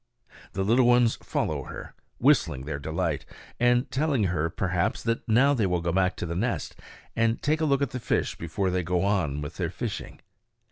The little ones follow her, whistling their delight, and telling her that perhaps now they will go back to the nest and take a look at the fish before they go on with their fishing.